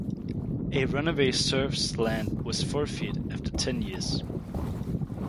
A runaway serf's land was forfeit after ten years.